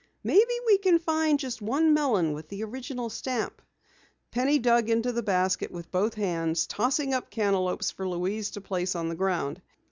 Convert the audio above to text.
"Maybe we can find just one melon with the original stamp!" Penny dug into the basket with both hands, tossing up cantaloupes for Louise to place on the ground.